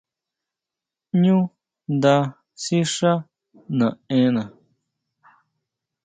Ñu nda sixá naʼena.